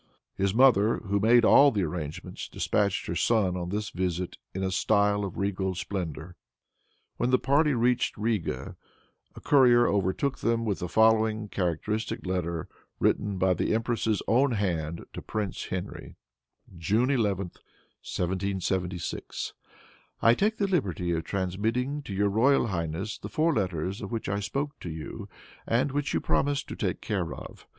His mother, who made all the arrangements, dispatched her son on this visit in a style of regal splendor. When the party reached Riga, a courier overtook them with the following characteristic letter, written by the empress's own hand to Prince Henry: "June 11, 1776. "I take the liberty of transmitting to your royal highness the four letters of which I spoke to you, and which you promised to take care of.